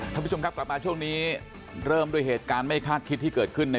ท่านผู้ชมครับกลับมาช่วงนี้เริ่มด้วยเหตุการณ์ไม่คาดคิดที่เกิดขึ้นใน